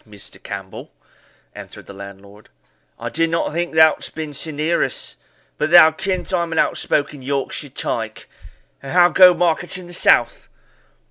"Well said, Mr. Campbell," answered the landlord; "I did not think thoud'st been sae near us, mon. But thou kens I'm an outspoken Yorkshire tyke. And how go markets in the south?"